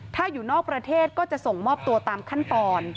ถ้าอยู่นอกประเทศก็จะส่งมอบตัวตามขั้นตอน